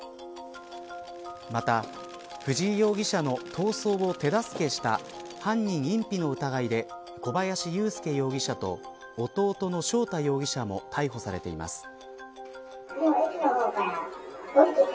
また藤井容疑者の逃走を手助けした犯人隠避の疑いで小林優介容疑者と弟の翔太容疑者も逮捕されています。